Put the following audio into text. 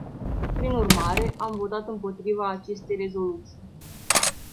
Prin urmare, am votat împotriva acestei rezoluții.